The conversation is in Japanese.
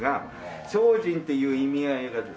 生身っていう意味合いがですね